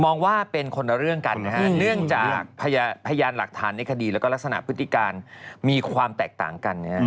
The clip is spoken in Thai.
มองว่าเป็นคนละเรื่องกันนะฮะเนื่องจากพยานหลักฐานในคดีแล้วก็ลักษณะพฤติการมีความแตกต่างกัน